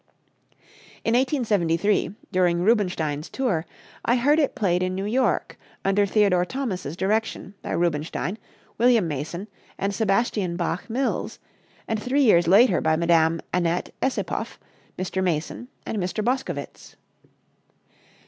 In 1873, during Rubinstein's tour, I heard it played in New York, under Theodore Thomas's direction, by Rubinstein, William Mason and Sebastian Bach Mills, and three years later by Mme. Annette Essipoff, Mr. Mason and Mr. Boscovitz.